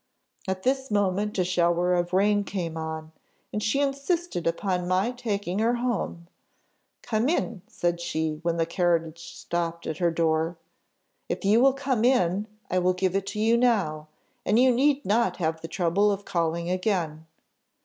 At this moment a shower of rain came on, and she insisted upon my taking her home; 'Come in,' said she, when the carriage stopped at her door: 'if you will come in, I will give it to you now, and you need not have the trouble of calling again.